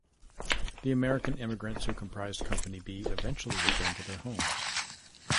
The American immigrants who comprised Company B eventually returned to their homes.